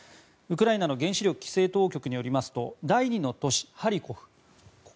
ウクライナの原子力規制当局によりますと第２の都市ハリコフ